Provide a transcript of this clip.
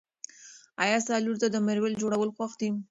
ایا ستا لور ته د مریو جوړول خوښ دي؟